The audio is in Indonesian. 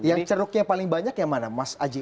yang ceruknya paling banyak yang mana mas aji